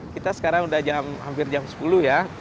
kita sekarang udah hampir jam sepuluh ya